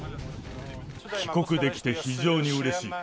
帰国できて非常にうれしい。